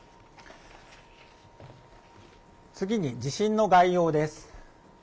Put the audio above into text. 次に地震の概要です。